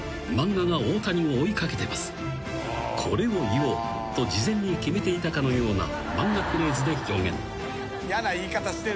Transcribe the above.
［これを言おうと事前に決めていたかのような漫画フレーズで表現］